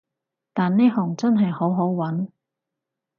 但呢行真係好好搵